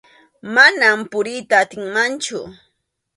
Manam puriyta atinmanchu.